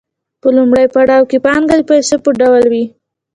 په لومړي پړاو کې پانګه د پیسو په ډول وي